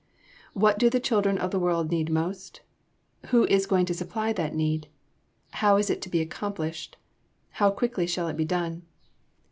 What do the children of the world most need? Who is going to supply that need? How is it to be accomplished? How quickly shall it be done?